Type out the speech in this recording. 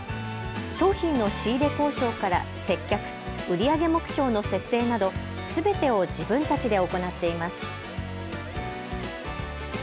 商品の仕入れ交渉から接客、売り上げ目標の設定など全てを自分たちで行っています。